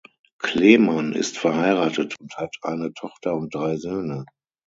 Kleemann ist verheiratet und hat eine Tochter und drei Söhne.